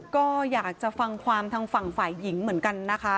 ก็อยากจะฟังความทางฝั่งฝ่ายหญิงเหมือนกันนะคะ